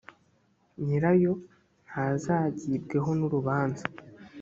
nyirayo ntazagibweho n urubanza